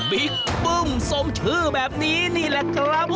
ปึ้มสมชื่อแบบนี้นี่แหละครับ